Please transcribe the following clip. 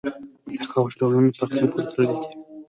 د خاورې ډولونه په اقلیم پورې تړلي دي.